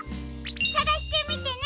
さがしてみてね！